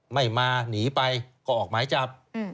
ไม่มาหนีไปก็ออกหมายจับ